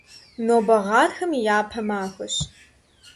Нобэ гъатхэм и япэ махуэщ.